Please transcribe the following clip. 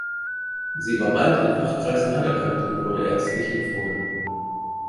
Sie war bald in Fachkreisen anerkannt und wurde ärztlich empfohlen.